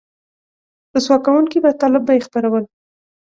رسوا کوونکي مطالب به یې خپرول